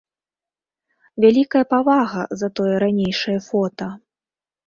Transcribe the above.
Вялікая павага за тое ранейшае фота.